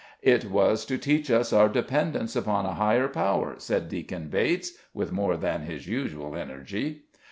"It was to teach us our dependence upon a higher power," said Deacon Bates, with more than his usual energy.